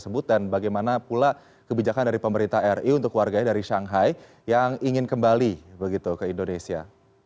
bagaimana pula kebijakan dari pemerintah ri untuk warganya dari shanghai yang ingin kembali begitu ke indonesia